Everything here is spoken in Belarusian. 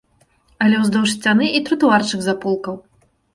Але ўздоўж сцяны і тратуарчык з аполкаў.